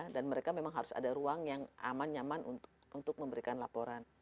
dan mereka memang harus ada ruang yang aman nyaman untuk memberikan laporan